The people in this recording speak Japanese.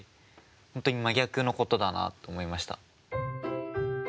本当に真逆のことだなと思いました。